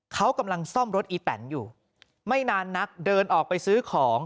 เขากำลังซ่อมรถอีแตนอยู่ไม่นานนักเดินออกไปซื้อของ